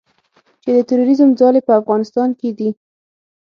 چې د تروریزم ځالې په افغانستان کې دي